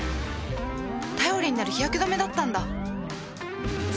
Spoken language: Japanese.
頼りになる日焼け止めだったんだ